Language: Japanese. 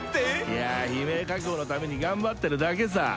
いや悲鳴確保のために頑張ってるだけさ。